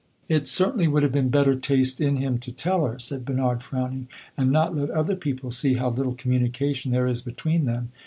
"It certainly would have been better taste in him to tell her," said Bernard, frowning, "and not let other people see how little communication there is between them.